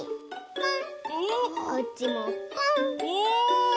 ポン！